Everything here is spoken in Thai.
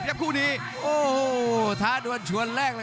รับทราบบรรดาศักดิ์